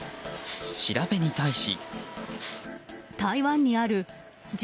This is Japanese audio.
調べに対し。